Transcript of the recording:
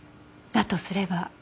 だとすれば。